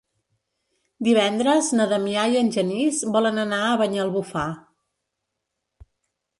Divendres na Damià i en Genís volen anar a Banyalbufar.